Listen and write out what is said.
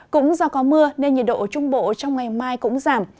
cũng do có mưa nên nhiệt độ ở trung bộ trong ngày mai cũng giảm